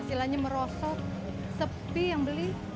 istilahnya merosot sepi yang beli